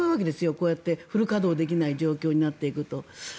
こうやってフル稼働できない状況になっていくと。